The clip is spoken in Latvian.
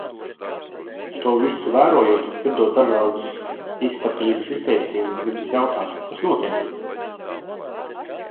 To visu vērojot, dzirdot dažādus iztapīgus izteicienus, gribas jautāt: kas notiek?